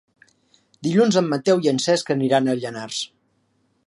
Dilluns en Mateu i en Cesc aniran a Llanars.